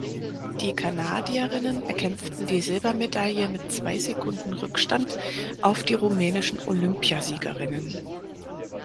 Die Kanadierinnen erkämpften die Silbermedaille mit zwei Sekunden Rückstand auf die rumänischen Olympiasiegerinnen.